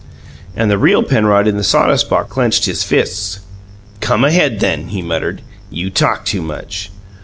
And the real Penrod in the sawdust box clenched his fists. "Come ahead, then!" he muttered. "You talk too much!"